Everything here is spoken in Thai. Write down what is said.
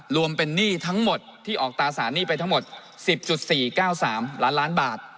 รวมเป็นหนี้ทั้งหมดที่ออกตราสารหนี้ไปทั้งหมด๑๐๔๙๓ล้านล้านบาท